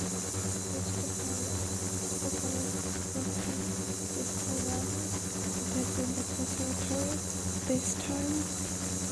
Gustav Mahler, who called Bruckner his "forerunner", attended the conservatory at this time.